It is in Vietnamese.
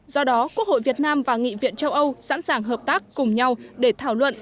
do đó quốc hội việt nam và nghị viện châu âu sẵn sàng hợp tác cùng nhau để thảo luận